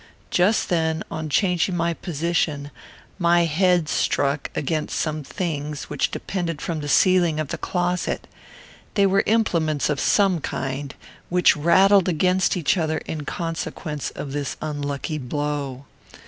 Just then, on changing my position, my head struck against some things which depended from the ceiling of the closet. They were implements of some kind which rattled against each other in consequence of this unlucky blow.